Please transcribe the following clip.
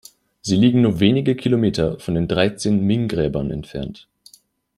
Sie liegen nur wenige Kilometer von den Dreizehn Ming-Gräbern entfernt.